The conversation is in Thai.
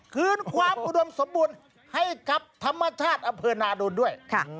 คืนความอุดมสมบูรณ์ให้กับธรรมชาติอำเภอนาโดนด้วย